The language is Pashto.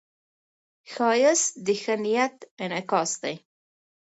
ښایست د ښه نیت انعکاس دی